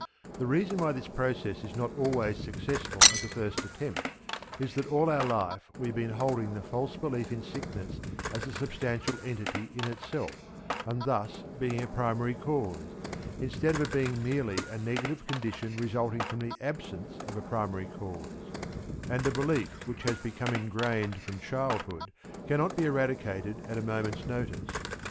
The reason why this process is not always successful at the first attempt is that all our life we have been holding the false belief in sickness as a substantial entity in itself and thus being a primary cause, instead of being merely a negative condition resulting from the obsence of a primary cause; and a belief which has become ingrained from childhood cannot be eradicated at a moment's notice.